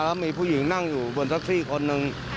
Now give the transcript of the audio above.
แล้วมีผู้หญิงนั่งอยู่บนแท็กซี่คนหนึ่ง